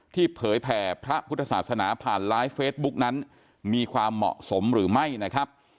เผยแผ่พระพุทธศาสนาผ่านไลฟ์เฟซบุ๊กนั้นมีความเหมาะสมหรือไม่นะครับ